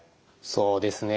そうですね。